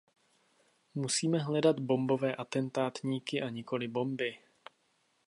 Musíme hledat bombové atentátníky a nikoli bomby.